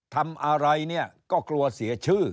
ทำอะไรเนี่ยก็กลัวเสียชื่อ